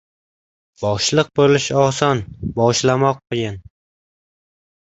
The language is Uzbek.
• Boshliq bo‘lish oson, boshlamoq qiyin.